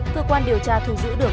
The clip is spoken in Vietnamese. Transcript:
cơ quan điều tra thu giữ được